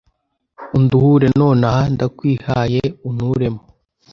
Unduhure nonaha, Ndakwihaye unturemo!